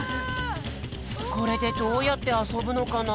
これでどうやってあそぶのかな？